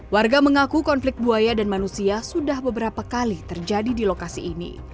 warga mengaku konflik buaya dan manusia sudah beberapa kali terjadi di lokasi ini